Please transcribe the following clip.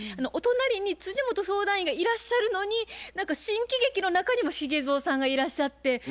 お隣に本相談員がいらっしゃるのに新喜劇の中にも茂造さんがいらっしゃって。